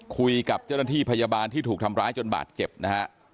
คุยกับเจ้าหน้าที่พยาบาลที่ถูกทำร้ายจนบาดเจ็บนะฮะ